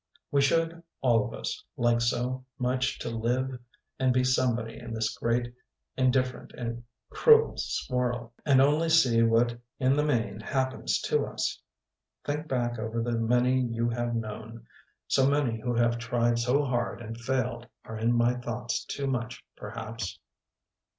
We should, all of us, like so much to live and be somebody in this great, indifferent, cruel swirl. And only see what in the main happens to us. Think back over the many you have known. So many who have tried so hard and failed are in my thoughts too much, perhaps.